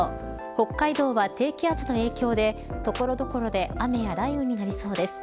北海道は低気圧の影響で所々で雨や雷雨になりそうです。